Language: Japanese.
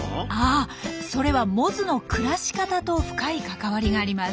あそれはモズの暮らし方と深い関わりがあります。